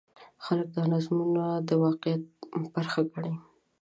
خلک دا نظمونه د واقعیت برخه ګڼي.